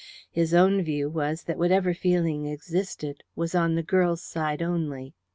His own view was that whatever feeling existed was on the girl's side only.